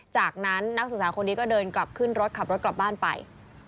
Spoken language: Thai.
จากนั้นนักศึกษาคนนี้ก็เดินกลับขึ้นรถขับรถกลับบ้านไป